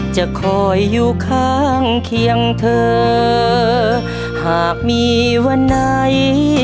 จะคอยอยู่ข้างเคียงเธอหากมีวันไหน